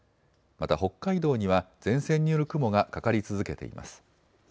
また北海道には前線による雲がかかり続けています。